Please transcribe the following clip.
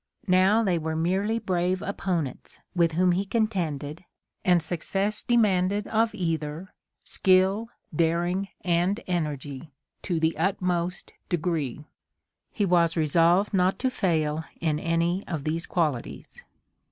Now they were merely brave opponents, with whom he contended, and success demanded of either skill, daring and energy to the utmost degree. He was resolved not to fail in any of these qualities.